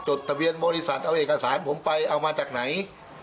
ทะเบียนบริษัทเอาเอกสารผมไปเอามาจากไหน